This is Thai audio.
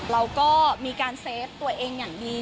เราก็มีการเซฟตัวเองอย่างดี